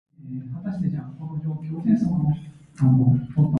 The above referenced Excel macro supports split transactions.